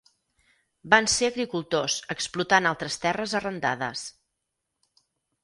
Van ser agricultors explotant altres terres arrendades.